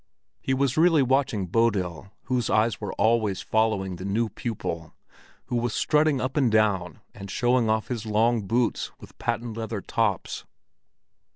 He was really watching Bodil, whose eyes were always following the new pupil, who was strutting up and down and showing off his long boots with patent leather tops.